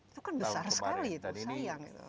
itu kan besar sekali itu sayang